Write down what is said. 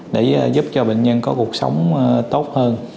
để giúp cho bệnh nhân có cuộc sống tốt hơn